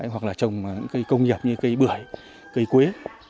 hoặc là trồng cây công nghiệp như cây bưởi cây quế